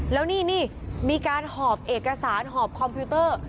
แล้วนี่มีการหอบเอกสารหอบคอมพิวเตอร์